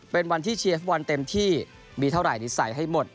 เป็นวันที่เชียร์ฟุตบอลเต็มที่มีเท่าไหร่นิสัยให้หมด